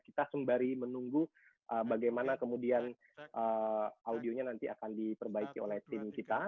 kita sembari menunggu bagaimana kemudian audionya nanti akan diperbaiki oleh tim kita